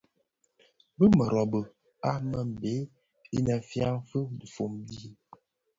Bi mënōbi a Mbembe innë fyan fi dhifombi di.